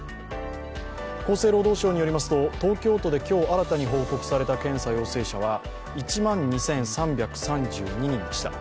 厚生労働省によりますと東京都で今日新たに報告された検査陽性者は１万２３３２人でした。